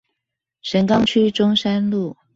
神岡區中山路